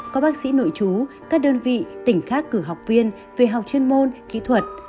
có bác sĩ nội chú các đơn vị tỉnh khác cử học viên về học chuyên môn kỹ thuật